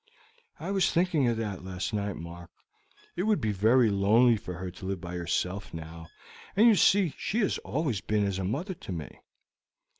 "I was thinking of that last night, Mark. It would be very lonely for her to live by herself now, and you see she has always been as a mother to me."